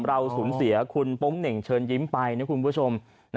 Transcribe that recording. เราสูญเสียคุณโป๊งเหน่งเชิญยิ้มไปนะคุณผู้ชม